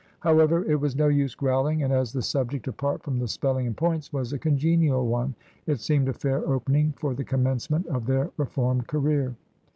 However, it was no use growling; and as the subject (apart from the spelling and points) was a congenial one, it seemed a fair opening for the commencement of their reformed career.